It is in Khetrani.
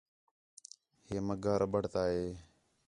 ہے مڳا ربڑ تا ہے